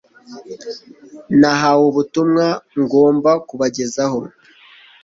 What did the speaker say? Nahawe ubutumwa ngomba kubagezaho